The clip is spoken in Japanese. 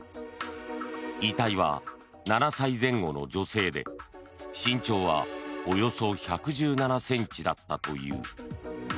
遺体は７歳前後の女性で身長はおよそ１１７ｃｍだったという。